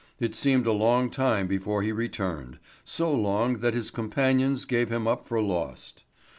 It seemed a long time before he returned, so long that his companions gave him up for lost.